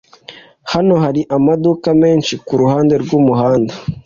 hano hari amaduka menshi kuruhande rwumuhanda